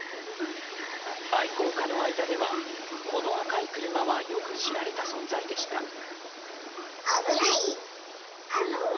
愛好家の間では、この赤い車はよく知られた存在でした。